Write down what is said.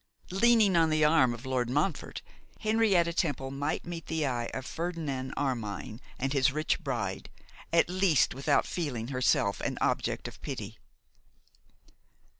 Leaning on the arm of Lord Montfort, Henrietta Temple might meet the eye of Ferdinand Armine and his rich bride, at least without feeling herself an object of pity!